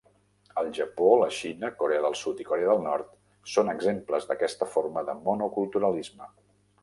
El Japó, la Xina, Corea del Sud i Corea del Nord són exemples d'aquesta forma de monoculturalisme.